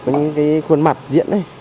có những cái khuôn mặt diện ấy